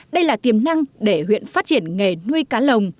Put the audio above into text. đây là tiềm năng để huyện phát triển nghề nuôi cá lồng